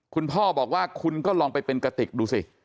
คุณพ่อบอกว่าคุณก็ลองไปเป็นกระติกดูสิ